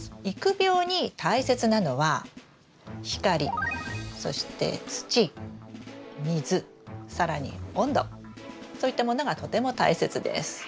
育苗に大切なのは光そして土水更に温度そういったものがとても大切です。